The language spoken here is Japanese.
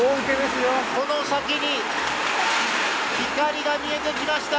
この先に光が見えてきました。